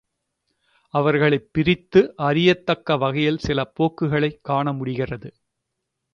அவர்களைப் பிரித்து அறியத்தக்க வகையில் சில போக்குகளையும் காணமுடிகிறது.